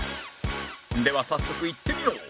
では早速いってみよう！